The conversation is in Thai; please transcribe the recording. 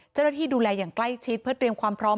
เจ้าหน้าที่ดูแลอย่างใกล้ชิดเพื่อเตรียมความพร้อม